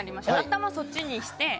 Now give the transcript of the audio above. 頭をそっちにして。